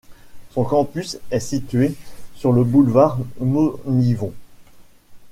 Son campus est situé sur le boulevard Monivong.